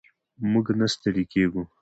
موږ نه ستړي کیږو.